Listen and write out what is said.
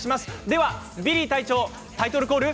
ではビリー隊長タイトルコール